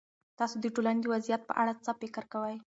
تاسو د ټولنې د وضعيت په اړه څه فکر کوئ؟